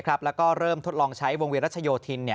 แล้วก็เริ่มทดลองใช้วงเวียรัชโยธิน